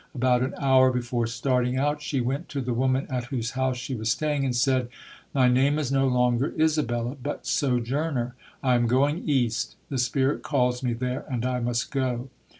About an hour before starting but, she went to the woman at whose house she was staying and said, "My name is no longer Isabella, but 'Sojourner'. I am going east. The spirit calls me there, and I must go".